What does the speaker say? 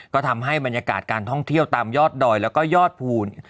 ก็ทำให้บรรยากาศการท่องเที่ยวตามยอดดอยแล้วก็ยอดภูล